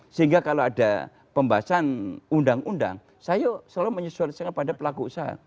sehingga kalau ada pembahasan undang undang saya selalu menyesuaikan pada pelaku usaha